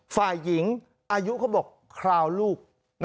ฝ่ายหญิงอายุเขาบอกคราวลูก